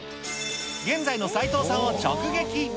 現在の斉藤さんを直撃。